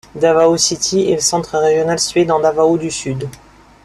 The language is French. Davao City en est le centre régional situé dans Davao du Sud.